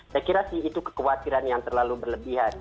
saya kira sih itu kekhawatiran yang terlalu berlebihan